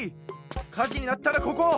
かじになったらここ！